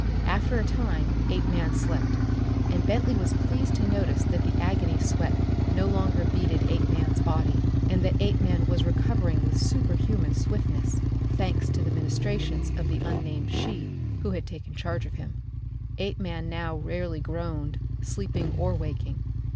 After a time Apeman slept, and Bentley was pleased to notice that the agony sweat no longer beaded Apeman's body, and that Apeman was recovering with superhuman swiftness thanks to the ministrations of the unnamed she who had taken charge of him. Apeman now rarely groaned, sleeping or waking.